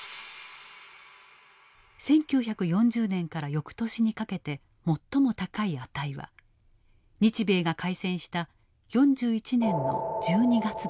１９４０年から翌年にかけて最も高い値は日米が開戦した４１年の１２月だった。